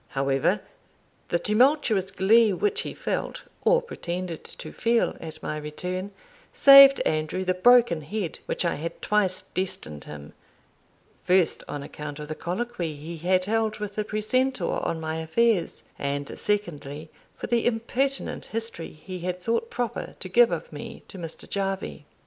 However, the tumultuous glee which he felt, or pretended to feel, at my return, saved Andrew the broken head which I had twice destined him; first, on account of the colloquy he had held with the precentor on my affairs; and secondly, for the impertinent history he had thought proper to give of me to Mr. Jarvie.